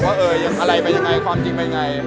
ว่าอะไรเป็นยังไงความจริงเป็นยังไง